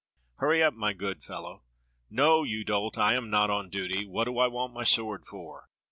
Hurry up, my good fellow ! No, you dolt, I am not on duty. What do I want my sword for?